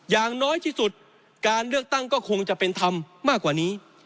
อย่างน้อยที่สุดการเลือกตั้งก็คงจะเป็นธรรมมากกว่านี้